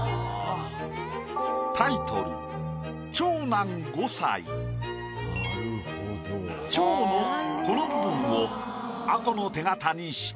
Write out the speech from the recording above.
タイトル「長」のこの部分を吾子の手形にした。